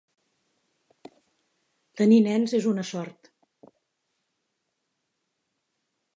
Tenir nens és una sort.